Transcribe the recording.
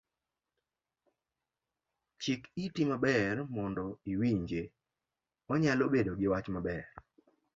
Chik iti maber mondo iwinje, onyalo bedo giwach maber.